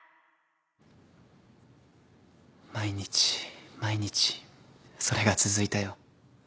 毎日毎日それが続いたよ。